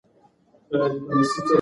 سهار نږدې دی او ملا پاڅېدلی دی.